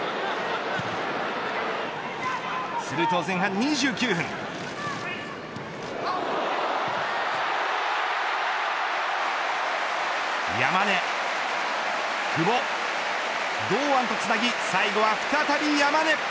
すると前半２９分山根、久保堂安とつなぎ最後は再び山根。